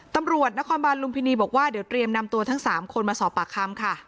ตำรวจนครบาลลุมพินีบอกว่าเดี๋ยวเตรียมนำตัวทั้ง๓คนมาสอบปากคำค่ะ